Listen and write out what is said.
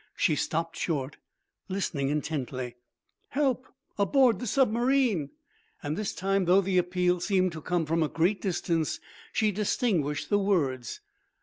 She stopped short, listening intently. "Help! Aboard the submarine!" This time, though the appeal seemed to come from a great distance, she distinguished the words.